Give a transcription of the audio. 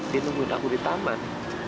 dia nungguin aku di taman